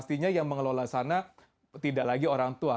pastinya yang mengelola sana tidak lagi orang tua